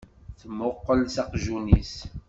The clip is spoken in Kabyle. Temmuqqel s aqjun-is.